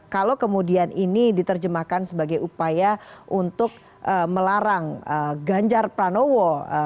kalau kemudian ini diterjemahkan sebagai upaya untuk melarang ganjar pranowo